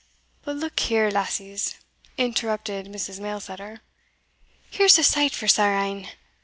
"But look here, lasses," interrupted Mrs. Mailsetter, "here's a sight for sair e'en!